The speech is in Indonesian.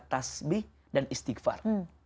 tasbih dan istighfar